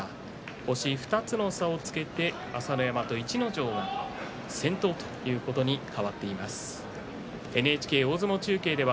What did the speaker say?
星２つの差をつけて朝乃山と逸ノ城が先頭ということに変わっています。